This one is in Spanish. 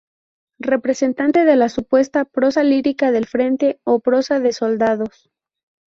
Representante de la supuesta "prosa lírica del frente" o "prosa de soldados".